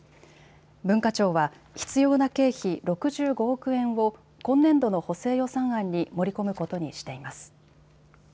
文化庁は必要な経費６５億円を今年度の補正予算案に盛り込むことにしています。